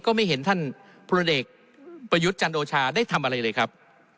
ก็ไม่เห็นท่านพลเอกประยุทธ์จันโอชาได้ทำอะไรเลยครับ